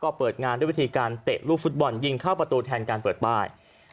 ก็เปิดงานด้วยวิธีการเตะลูกฟุตบอลยิงเข้าประตูแทนการเปิดป้าย